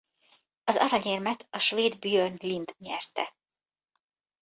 Az aranyérmet a svéd Björn Lind nyerte.